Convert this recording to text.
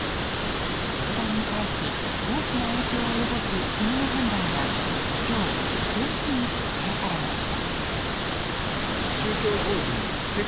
教団に対し、大きな影響を及ぼす国の判断が今日、正式に決定されました。